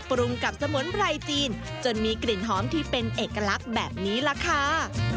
ปรุงกับสมุนไพรจีนจนมีกลิ่นหอมที่เป็นเอกลักษณ์แบบนี้ล่ะค่ะ